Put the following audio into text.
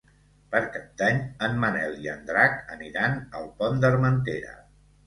Per Cap d'Any en Manel i en Drac aniran al Pont d'Armentera.